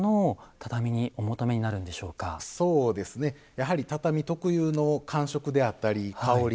やはり畳特有の「感触」であったり「香り」